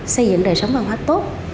xây dựng đời sống văn hóa tốt